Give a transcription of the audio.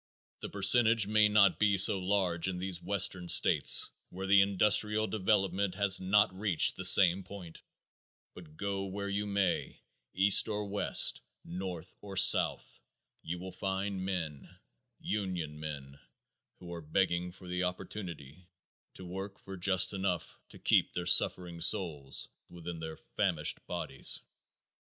The percentage may not be so large in these western states where the industrial development has not reached the same point, but go where you may, east or west, north or south, you will find men, union men, who are begging for the opportunity to work for just enough to keep their suffering souls within their famished bodies.